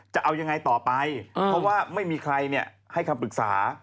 จะเอายังไงต่อไปเพราะว่าไม่มีใครให้คำปรึกษา